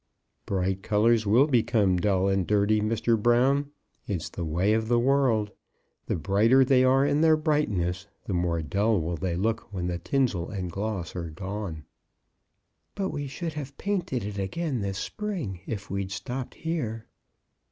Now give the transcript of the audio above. "Bright colours will become dull and dirty, Mr. Brown. It's the way of the world. The brighter they are in their brightness, the more dull will they look when the tinsel and gloss are gone." "But we should have painted it again this spring, if we'd stopped here."